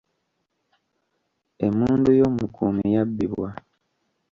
Emmundu y'omukuumi yabbibwa.